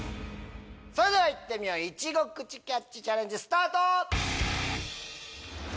それでは行ってみよう「いちご口キャッチ」チャレンジスタート！